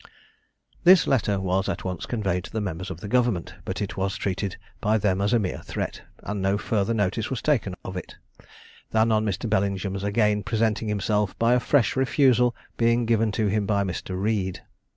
This letter was at once conveyed to the members of the government, but it was treated by them as a mere threat, and no further notice was taken of it, than on Mr. Bellingham's again presenting himself, by a fresh refusal being given to him by Mr. Read.